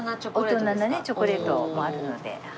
大人なねチョコレートもあるので。